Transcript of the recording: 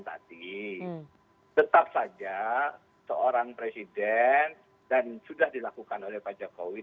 tadi tetap saja seorang presiden dan sudah dilakukan oleh pak jokowi